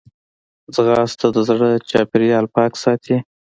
ځغاسته د زړه چاپېریال پاک ساتي